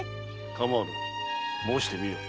かまわぬ申してみよ。